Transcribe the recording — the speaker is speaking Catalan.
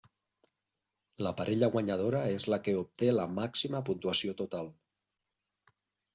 La parella guanyadora és la que obté la màxima puntuació total.